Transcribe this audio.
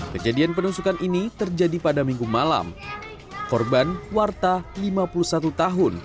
kejadian penusukan ini terjadi pada minggu malam korban warta lima puluh satu tahun